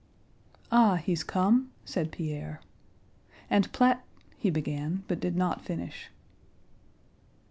"Ah, he's come?" said Pierre. "And Plat—" he began, but did not finish.